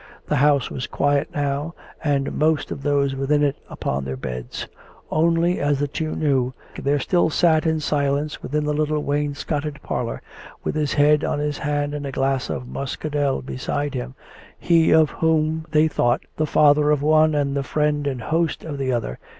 The house was quiet now, and most of those within it upon their beds. Only, as the two knew, there still sat in silence within the little wainscoted parlour, with his head on his hand and a glass of muscadel beside him — he of whom they thought — the father of one and the friend and host of the other.